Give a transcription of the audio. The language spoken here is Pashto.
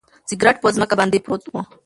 سګرټ په ځمکه باندې پروت و.